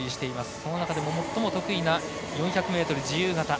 その中でも最も得意な４００ｍ自由形。